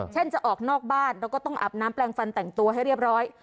จะออกนอกบ้านเราก็ต้องอาบน้ำแปลงฟันแต่งตัวให้เรียบร้อย